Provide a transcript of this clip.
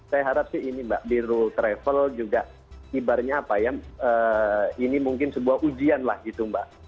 saya harap sih ini mbak biro travel juga ibaratnya apa ya ini mungkin sebuah ujian lah gitu mbak